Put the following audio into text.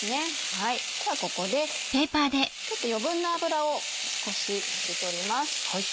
ではここでちょっと余分な脂を少し拭き取ります。